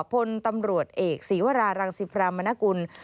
พลตำรวจเอกศีวรารังสิพรามนกุล